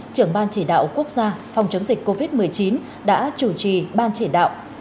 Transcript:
trưởng ban chỉ đạo quốc gia phòng chống dịch covid một mươi chín đã chủ trì ban chỉ đạo